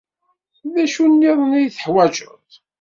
D acu-nniḍen ay teḥwajeḍ?